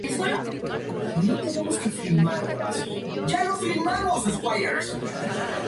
Su letra es melancólica y repetitiva.